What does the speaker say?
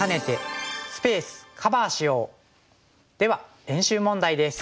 では練習問題です。